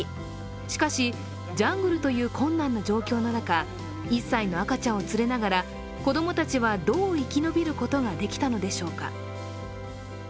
しかし、ジャングルという困難な状況の中、１歳の赤ちゃんを連れながら子供たちはどう生き延びることができたのでしょうか。